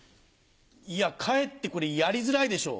いやかえってこれやりづらいでしょう。